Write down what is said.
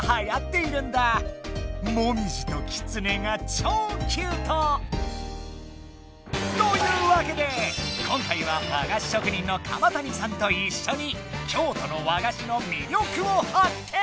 もみじときつねがちょうキュート！というわけで今回は和菓子職人の鎌谷さんといっしょに京都の和菓子の魅力をハッケン！